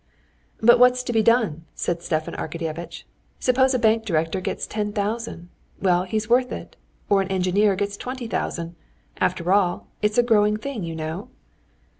"But what's to be done?" said Stepan Arkadyevitch. "Suppose a bank director gets ten thousand—well, he's worth it; or an engineer gets twenty thousand—after all, it's a growing thing, you know!"